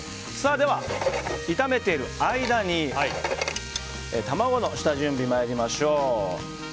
では、炒めている間に卵の下準備に参りましょう。